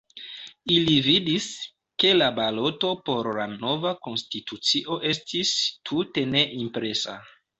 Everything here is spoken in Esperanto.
Ili vidis, ke la baloto por la nova konstitucio estis tute ne impresa.